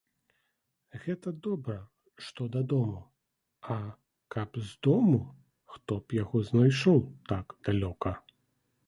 Гэта добра, што дадому, а каб з дому хто б яго зайшоў так далёка.